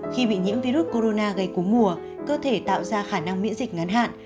khi bị nhiễm virus corona gây cú mùa cơ thể tạo ra khả năng miễn dịch ngắn hạn